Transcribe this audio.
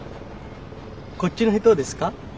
こっちの人ですか？